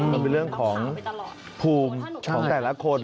มันเป็นเรื่องของภูมิของแต่ละคน